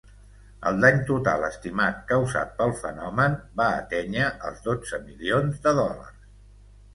El dany total estimat causat pel fenomen va atènyer els dotze milions de dòlars.